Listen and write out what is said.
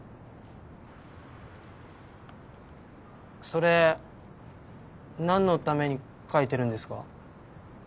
それなんのために描いてるんですか？